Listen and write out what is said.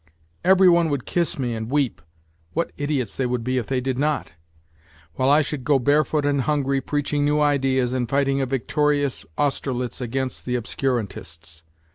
Every one would kiss me and weep (what idiots they would be if they did not), while I should go bare foot and hungry preaching new ideas and fighting a victorious Austerlitz against the obscurantists.